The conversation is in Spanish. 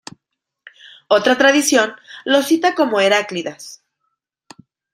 Otra tradición los cita como Heráclidas.